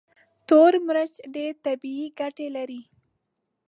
تور مرچ ډېرې طبي ګټې لري.